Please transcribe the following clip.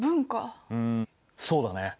うんそうだね。